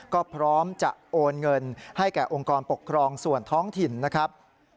ก็พร้อมจะโอนเงินให้แก่องค์กรปกครองส่วนท้องถิ่นนะครับ